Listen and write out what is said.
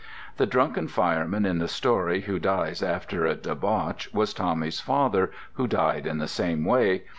The drunken fireman in the story who dies after a debauch was Tommy's father who died in the same way.